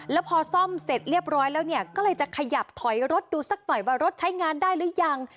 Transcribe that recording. แล้วพอซ่อมเสร็จเรียบร้อยแล้วเนี่ยก็เลยจะขยับถอยรถดูสักหน่อยว่ารถใช้งานได้หรือยัง